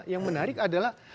yang menarik adalah